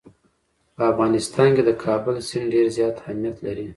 په افغانستان کې د کابل سیند ډېر زیات اهمیت لري.